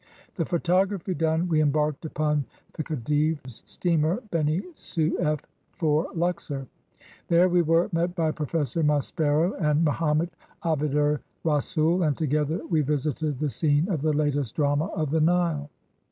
The photography done, we embarked upon the Khedive's steamer Beni Souef for Luxor. There we were met by Professor Maspero and Mohammed Abd er Rasoul, and together we visited the scene of the latest drama of the Nile.